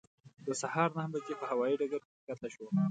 د سهار نهه بجې په هوایي ډګر کې کښته شوم.